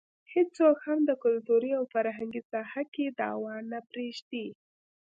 هېڅوک هم د کلتوري او فرهنګي ساحه کې دعوه نه پرېږدي.